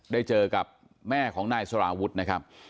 ได้เจอกับแม่ของนายสารวุฒินะครับ